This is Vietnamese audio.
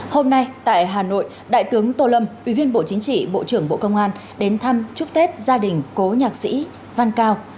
hôm nay tại hà nội đại tướng tô lâm ủy viên bộ chính trị bộ trưởng bộ công an đến thăm chúc tết gia đình cố nhạc sĩ văn cao